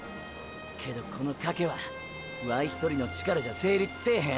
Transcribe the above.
けどこの「賭け」はワイ１人の力じゃ成立せーへん。